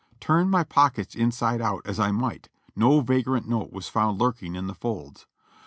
Turn niy pockets inside out as I might, no vagrant note was found lurking in the folds.